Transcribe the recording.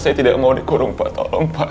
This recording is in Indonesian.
saya tidak mau dikurung pak tolong pak